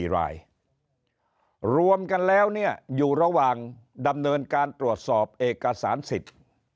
๔รายรวมกันแล้วเนี่ยอยู่ระหว่างดำเนินการตรวจสอบเอกสารสิทธิ์